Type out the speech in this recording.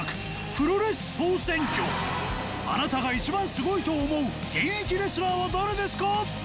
あなたが一番すごいと思う現役レスラーは誰ですか？